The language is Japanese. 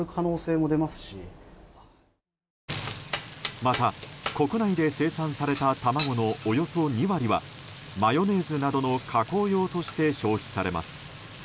また、国内で生産された卵のおよそ２割はマヨネーズなどの加工用として消費されます。